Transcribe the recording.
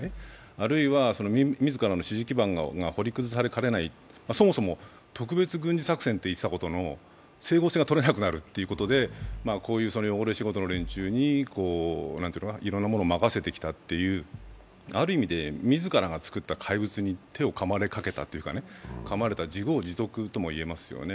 あるいは自らの支持基盤が掘り崩されかねない、そもそも特別軍事作戦と言ってたことの整合性がとれなくなるということでこういう汚れ仕事の連中に、いろんなものを任せてきたっていうある意味で、自らが作った怪物に手をかまれかけたというか、かまれた自業自得とも言えますよね。